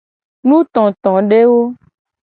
Nutotodewo.